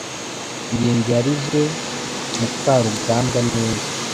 ngenzi yarize mukarugambwa neza